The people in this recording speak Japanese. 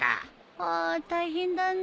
はあ大変だね